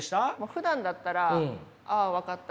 ふだんだったら「ああ分かった。